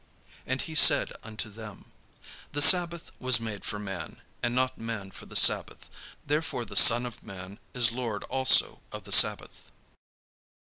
And he said unto them: "The sabbath was made for man, and not man for the sabbath: therefore the Son of man is Lord also of the sabbath."